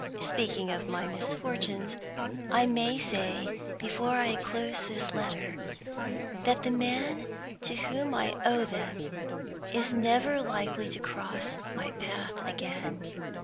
"Speaking of my misfortunes, I may say, before I close this letter, that the man to whom I owe them is never likely to cross my path again.